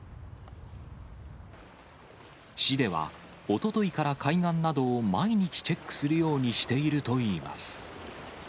市では、おとといから海岸などを毎日チェックするようにしているといいます。